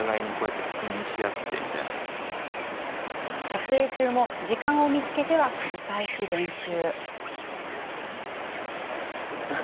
撮影中も時間を見つけては繰り返し練習。